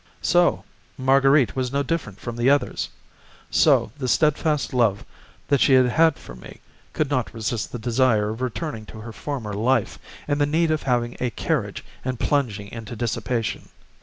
So Marguerite was no different from the others; so the steadfast love that she had had for me could not resist the desire of returning to her former life, and the need of having a carriage and plunging into dissipation.